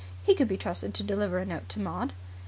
He could be trusted to deliver a note to Maud.